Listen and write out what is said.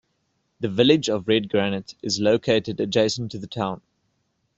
The village of Redgranite is located adjacent to the town.